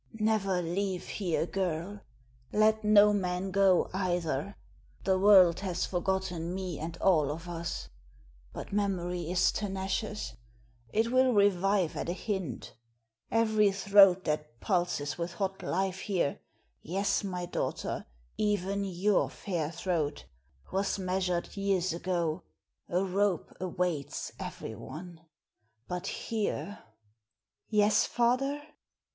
"Never leave here, girl. Let no man go, either. The world has forgotten me and all of us; but memory is tenacious it will revive at a hint; every throat that pulses with hot life here yes, my daughter, even your fair throat was measured years ago a rope awaits every one. But here " "Yes, father?"